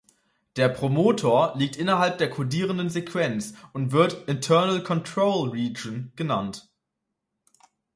Der Promoter liegt innerhalb der codierenden Sequenz und wird "internal control region" genannt.